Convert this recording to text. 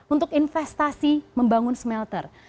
untuk investasi membangun smelter